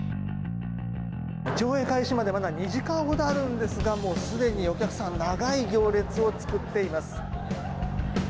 上映開始までまだ２時間ほどあるんですがもうすでにお客さん長い行列を作っています。